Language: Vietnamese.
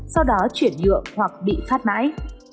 sau đó chuyển dựa hoặc bị phát mãi